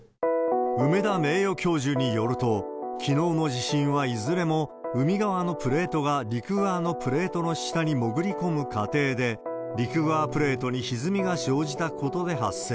梅田名誉教授によると、きのうの地震はいずれも海側のプレートが陸側のプレートの下に戻り込む過程で、陸側プレートにひずみが生じたことで発生。